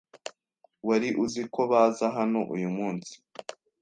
Wari uzi ko baza hano uyu munsi?